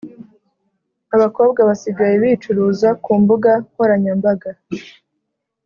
Abakobwa basigaye bicuruza kumbuga nkoranya mbaga